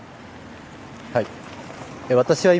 はい。